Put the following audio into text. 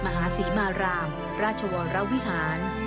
มหาศรีมารามราชวรวิหาร